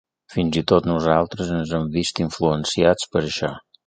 Fins i tot nosaltres ens hem vist influenciats per això.